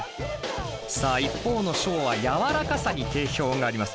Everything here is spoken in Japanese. さあ一方のＳＨＯは柔らかさに定評があります。